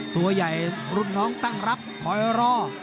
ตัวใหญ่รุ่นน้องตั้งรับคอยรอ